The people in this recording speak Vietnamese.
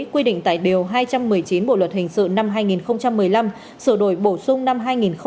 quy định tại điều hai trăm một mươi chín bộ luật hình sự năm hai nghìn một mươi năm sửa đổi bổ sung năm hai nghìn một mươi bảy